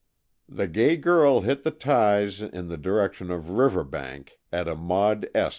"The gay girl hit the ties in the direction of Riverbank at a Maud S.